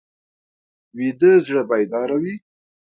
ویده زړه بیداره وي